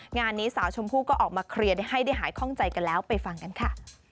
งานนี้สาวชมพู่ก็ออกมาเคลียร์ให้ได้หายคล่องใจกันแล้วไปฟังกันค่ะ